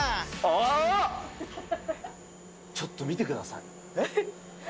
ちょっと見てください。